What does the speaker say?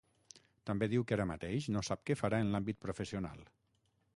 També diu que ara mateix no sap que farà en l’àmbit professional.